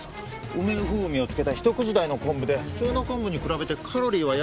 梅風味をつけたひと口大の昆布で普通の昆布に比べてカロリーは約５割増しですが。